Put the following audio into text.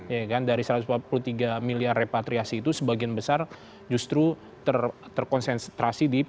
ya kan dari satu ratus empat puluh tiga miliar repatriasi itu sebagian besar justru terkonsentrasi di p tiga